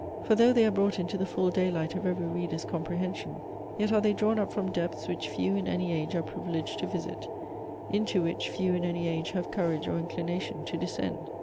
For though they are brought into the full day light of every reader's comprehension; yet are they drawn up from depths which few in any age are privileged to visit, into which few in any age have courage or inclination to descend.